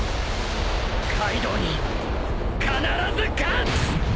カイドウに必ず勝つ！